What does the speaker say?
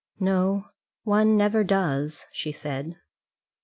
"No; one never does," she said.